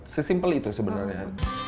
sesimpel itu sebenarnya